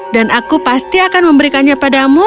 dan aku pasti akan memberikannya padamu